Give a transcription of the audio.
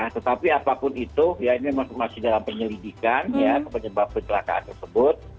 tetapi apapun itu ya ini masih dalam penyelidikan ya penyebab kecelakaan tersebut